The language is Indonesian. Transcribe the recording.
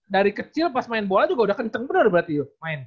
dari kecil pas main bola juga udah kenceng bener berarti main